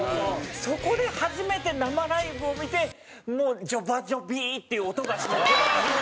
そこで初めて生ライブを見てもうジョバジョビーっていう音がして。